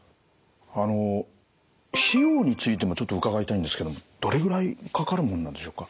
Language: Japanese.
あの費用についてもちょっと伺いたいんですけどもどれぐらいかかるもんなんでしょうか？